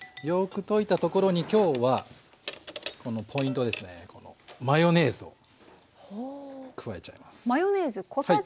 よく溶いたところに今日はこのポイントですねマヨネーズを加えちゃいます。